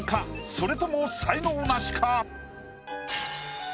それとも才能ナシか？